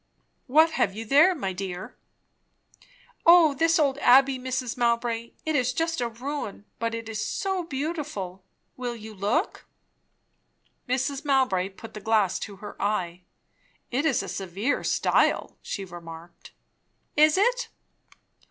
"What have you there, my dear?" "O this old abbey, Mrs. Mowbray; it is just a ruin, but it is so beautiful! Will you look?" Mrs. Mowbray put the glass to her eye. "It is a severe style " she remarked. "Is it?"